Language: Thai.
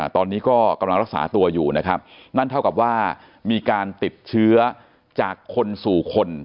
ตอนนี้ก็กำลังรักษาตัวอยู่นะครับนั่นเท่ากับว่ามีการติดเชื้อจากคนสู่คน